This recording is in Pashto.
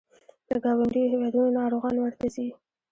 له ګاونډیو هیوادونو ناروغان ورته ځي.